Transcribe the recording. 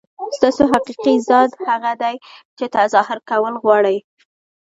ستاسو حقیقي ځان هغه دی چې تظاهر کول غواړي.